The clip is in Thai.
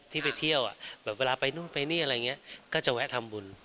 ที่ไปเที่ยวแบบเวลาไปนู่นไปนี่อะไรอย่างนี้ก็จะแวะทำบุญ